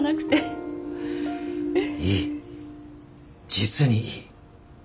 実にいい。